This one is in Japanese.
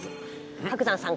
伯山さん